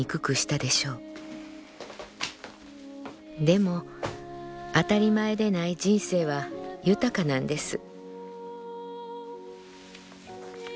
でも当たり前で無い人生は豊かなんです」。